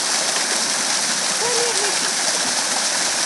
Wali rrif-ik.